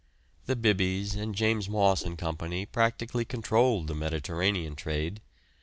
The Bibbys and James Moss and Co. practically controlled the Mediterranean trade.